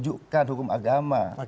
jika kita tidak mengatasi masalah itu